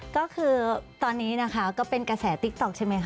ก็คือตอนนี้นะคะก็เป็นกระแสติ๊กต๊อกใช่ไหมค